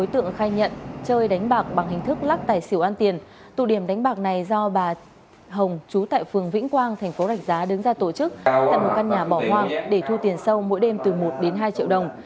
thật một căn nhà bỏ hoang để thu tiền sâu mỗi đêm từ một đến hai triệu đồng